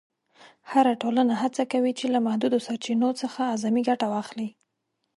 هره ټولنه هڅه کوي چې له محدودو سرچینو څخه اعظمي ګټه واخلي.